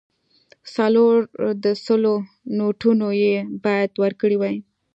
څلور د سلو نوټونه یې باید ورکړای وای.